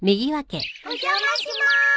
お邪魔しまーす。